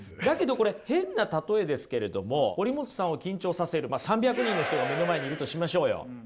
だけどこれ変な例えですけれども堀本さんを緊張させる３００人の人が目の前にいるとしましょうよ。